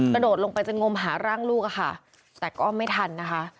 กระโดดลงไปจะงมหาร่างลูกอะค่ะแต่ก็ไม่ทันนะคะ